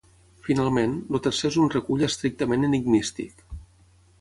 Finalment, el tercer és un recull estrictament enigmístic.